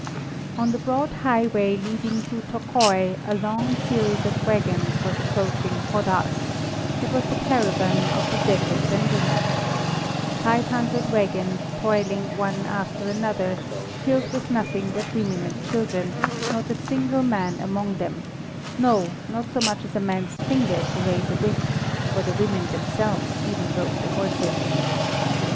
On the broad highway leading to Tokai a long series of waggons was approaching Hadház; it was the caravan of the Debreczen women. Five hundred waggons toiling one after another, filled with nothing but women and children, not a single man among them no, not so much as a man's finger to raise a whip, for the women themselves even drove the horses.